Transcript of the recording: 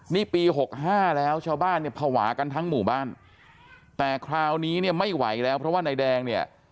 นี่ปีหกห้าแล้วชาวบ้านเนี่ยภาวะกันทั้งหมู่บ้านแต่คราวนี้เนี่ยไม่ไหวแล้วเพราะว่านายแดงเนี่ย